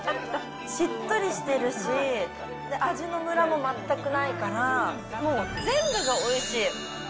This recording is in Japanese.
しっとりしてるし、味のむらも全くないから、もう、全部がおいしい。